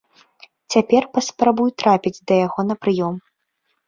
Цяпер паспрабуй трапіць да яго на прыём.